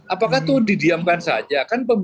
apakah itu didiamkan saja